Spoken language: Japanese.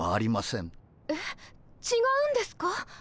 違うんですか？